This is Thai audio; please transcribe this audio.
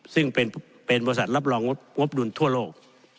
ซึ่งเป็นบริษัทรับรองงบดุลทั่วโลก